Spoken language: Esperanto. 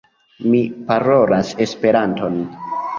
Mi parolas Esperanton.